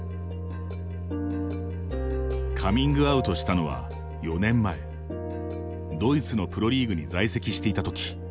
カミングアウトしたのは、４年前ドイツのプロリーグに在籍していたとき。